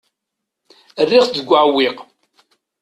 Rriɣ-t deg uɛewwiq.